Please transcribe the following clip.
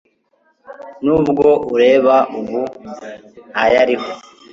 n'ubwo ureba ubu ntayariho